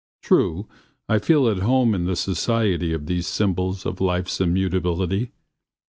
True, I feel at home in the society of these symbols of life's immutability.